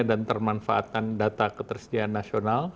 dan termanfaatan data ketersediaan nasional